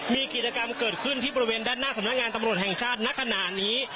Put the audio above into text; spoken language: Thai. มีกิจกรรมเกิดขึ้นที่บริเวณด้านหน้าสำนักงานตำรวจแห่งชาติณขณะนี้